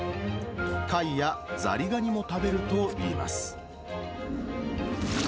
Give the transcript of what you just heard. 貝やザリガニも食べるといいます。